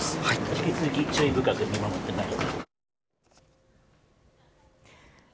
引き続き注意深く見守ってまいります。